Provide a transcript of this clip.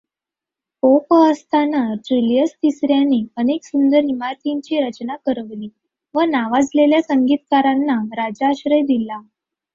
Pope असताना Julius तिसऱ्याने अनेक सुंदर ईमारतींची रचना करवली व नावाजलेल्या संगीतकारांना राज्याश्रय दिला.